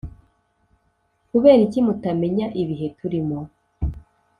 Kubera iki mutamenya ibihe turimo